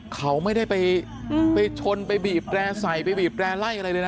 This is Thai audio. เขาไม่ได้ไปชนไปบีบแร่ใส่ไปบีบแร่ไล่อะไรเลยนะ